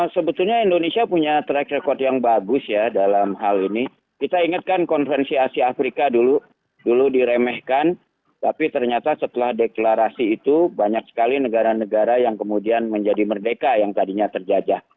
sebetulnya indonesia punya track record yang bagus ya dalam hal ini kita ingatkan konferensi asia afrika dulu diremehkan tapi ternyata setelah deklarasi itu banyak sekali negara negara yang kemudian menjadi merdeka yang tadinya terjajah